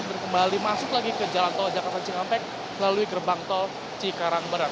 dan kembali masuk lagi ke jalan tol jakarta cikampek melalui gerbang tol cikarangbaran